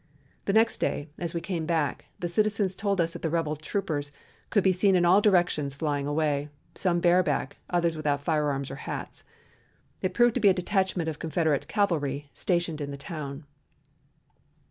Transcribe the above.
The next day, as we came back, the citizens told us that the rebel troopers could be seen in all directions flying away, some bareback, others without firearms or hats. It proved to be a detachment of Confederate cavalry stationed in the town.